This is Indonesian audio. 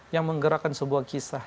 yang menggerakkan sebuah kisah